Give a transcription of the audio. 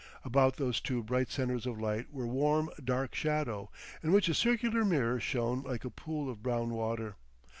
About those two bright centres of light were warm dark shadow, in which a circular mirror shone like a pool of brown water.